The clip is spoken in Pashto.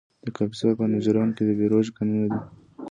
د کاپیسا په نجراب کې د بیروج کانونه دي.